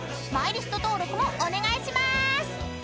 マイリスト登録もお願いしまーす］